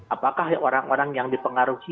apakah orang orang yang dipengaruhi